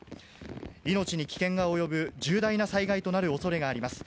命に危険が及ぶ重大な災害となるおそれがあります。